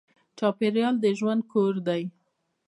چاپېریال د ژوند کور دی.